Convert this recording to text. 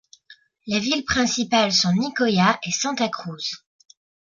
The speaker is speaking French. Les villes principales sont Nicoya et Santa Cruz.